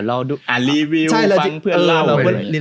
อ่านรีวิวฟังเพื่อนเรา